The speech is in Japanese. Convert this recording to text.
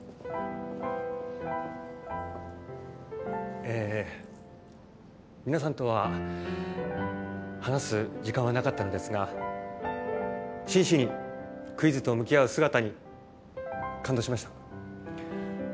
え皆さんとは話す時間はなかったのですが真摯にクイズと向き合う姿に感動しました。